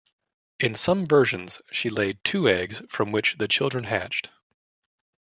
In some versions, she laid two eggs from which the children hatched.